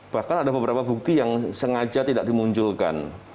bahkan ada beberapa bukti yang sengaja tidak dimunculkan